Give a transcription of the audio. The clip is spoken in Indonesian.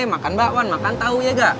makan bakwan makan tahu ya gak